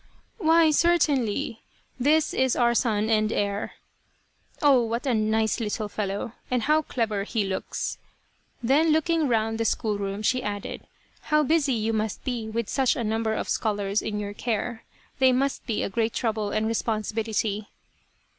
" Why, certainly ; this is our son and heir !"" Oh, what a nice little fellow ! And how clever he looks !" Then looking round the school room, she added :" How busy you must be with such a number of 196 Loyal, Even Unto Death scholars in your care. They must be a great trouble and responsibility."